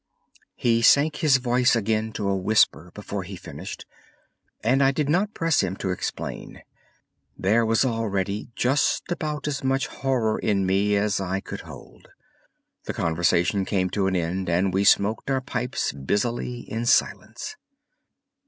He sank his voice again to a whisper before he finished, and I did not press him to explain. There was already just about as much horror in me as I could hold. The conversation came to an end, and we smoked our pipes busily in silence.